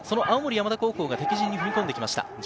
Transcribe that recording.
青森山田高校が敵陣に踏み込んできました。